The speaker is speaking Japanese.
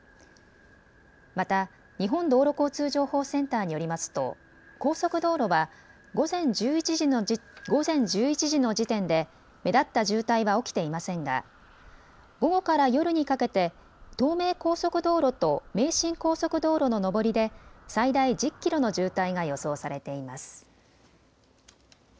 また日本道路交通情報センターによりますと高速道路は午前１１時の時点で目立った渋滞は起きていませんが午後から夜にかけて東名高速道路と名神高速道路の上りで最大１０キロの渋滞が予想されています。